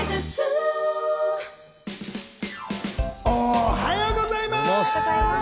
おはようございます。